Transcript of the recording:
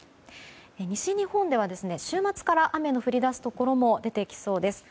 西日本では週末から雨の降り出すところも出てきそうです。